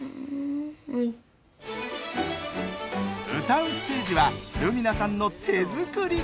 歌うステージは瑠海奈さんの手作り！